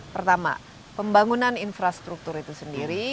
pertama pembangunan infrastruktur itu sendiri